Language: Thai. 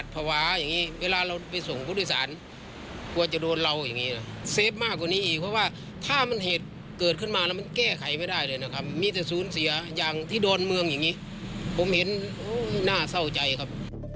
เป็นหน้าเศร้าใจครับ